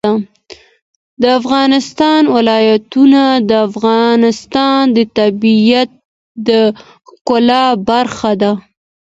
د افغانستان ولايتونه د افغانستان د طبیعت د ښکلا برخه ده.